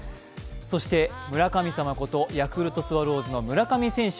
そして村神様ことヤクルトスワローズの村上選手